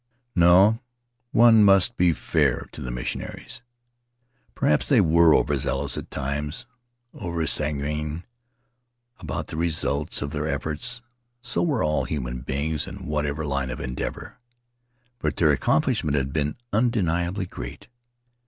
No, one must be fair to the missionaries. Perhaps they were over zealous at times, oversanguine about the results of their efforts — so were all human beings in whatever line of endeavor; but their accomplishment had been undeniably great.